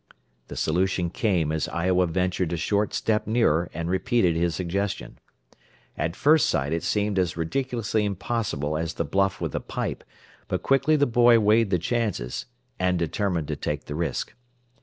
The solution came as Iowa ventured a short step nearer, and repeated his suggestion. At first sight it seemed as ridiculously impossible as the bluff with the pipe, but quickly the boy weighed the chances, and determined to take the risk.